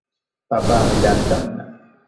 পাপা আমি জানতাম না।